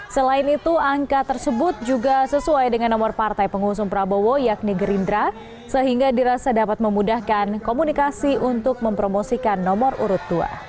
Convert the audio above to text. selain itu angka tersebut juga sesuai dengan nomor partai pengusung prabowo yakni gerindra sehingga dirasa dapat memudahkan komunikasi untuk mempromosikan nomor urut dua